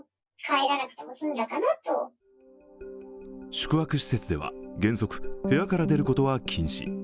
宿泊施設では原則、部屋から出ることは禁止。